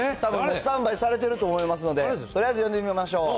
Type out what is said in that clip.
スタンバイされていると思いますんで、とりあえず呼んでみましょう。